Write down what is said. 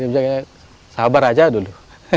jadi sabar saja dulu